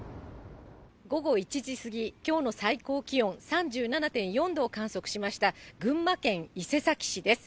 午後１時過ぎ、きょうの最高気温３７．４度を観測しました、群馬県伊勢崎市です。